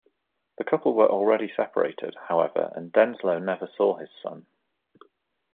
The couple were already separated, however, and Denslow never saw his son.